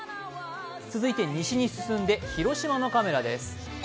続いて西に進んで広島のカメラです。